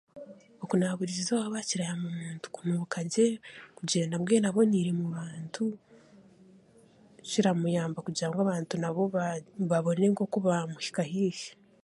Okunaaba burizooba kirayamba omuntu kunuuka gye, kugyenda mbwenu aboniire mu bantu kiramuyamba kugira ngu abantu nabo baa babone nk'oku baamuhika haihi.